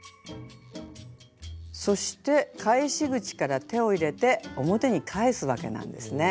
そして返し口から手を入れて表に返すわけなんですね。